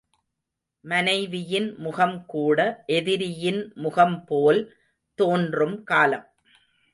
மனைவியின் முகம் கூட எதிரியின் முகம்போல் தோன்றும் காலம்.